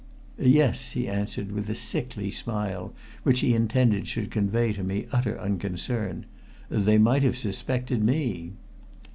"Yes," he answered with a sickly smile which he intended should convey to me utter unconcern. "They might have suspected me."